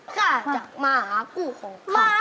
ข้าจักหมากูของข้า